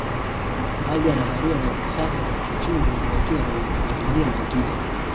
Baadhi ya nadharia za kisasa za kiuchumi zimezingatia kuzungumzia matatizo